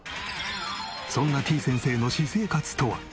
そんなてぃ先生の私生活とは？